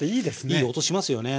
いい音しますよね。